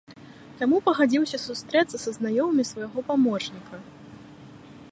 Таму пагадзіўся сустрэцца са знаёмымі свайго памочніка.